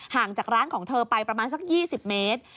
งจากร้านของเธอไปประมาณสัก๒๐เมตร